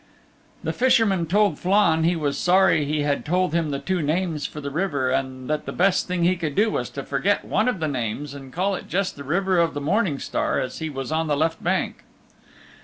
The Fisherman told Flann he was sorry he had told him the two names for the River and that the best thing he could do was to forget one of the names and call it just the River of the Morning Star as he was on the left bank.